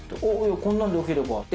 こんなんでよければと。